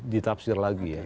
ditapsir lagi ya